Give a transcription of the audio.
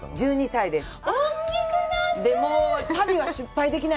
１２歳です。